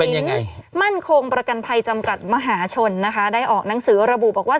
เป็นยังไงสินมั่นโครงประกันภัยจำกัดมหาชนนะคะได้ออกหนังสือระบุบอกว่า